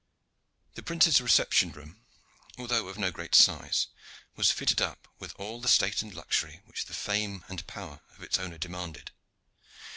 The prince's reception room, although of no great size, was fitted up with all the state and luxury which the fame and power of its owner demanded.